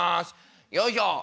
よいしょ。